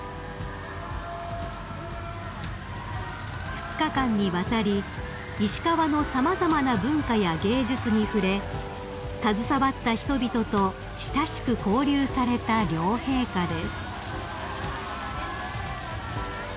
［２日間にわたり石川の様々な文化や芸術に触れ携わった人々と親しく交流された両陛下です］